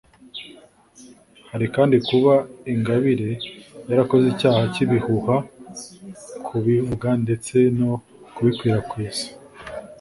Hari kandi kuba Ingabire yarakoze icyaha cy’ibihuha kubivuga ndetse no kubikwirakwiza